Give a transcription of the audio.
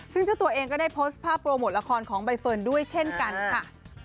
ซึ่งเจ้าตัวเองก็ได้โพสต์ภาพโปรโมทละครของใบเฟิร์นด้วยเช่นกันค่ะ